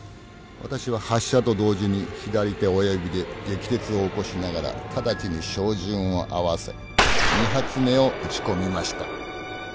私は発射と同時に左手親指で撃鉄を起こしながら直ちに照準を合わせ２発目を撃ち込みました。